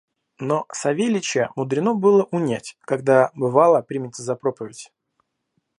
Но Савельича мудрено было унять, когда, бывало, примется за проповедь.